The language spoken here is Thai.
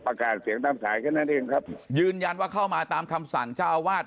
ประกาศเสียงตามสายแค่นั้นเองครับยืนยันว่าเข้ามาตามคำสั่งเจ้าอาวาส